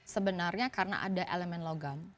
sebenarnya karena ada elemen logam